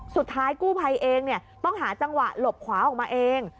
สุดท้ายกู้ภัยเองต้องหาจังหวะหลบขวาออกมาเอง